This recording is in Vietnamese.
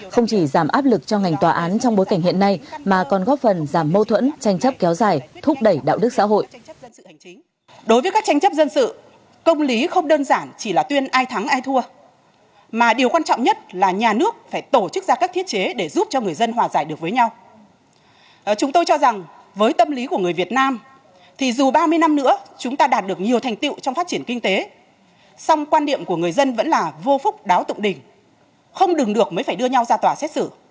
không chỉ giảm áp lực cho ngành tòa án trong bối cảnh hiện nay mà còn góp phần giảm mâu thuẫn tranh chấp kéo dài thúc đẩy đạo đức xã hội